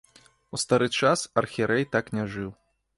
У стары час архірэй так не жыў.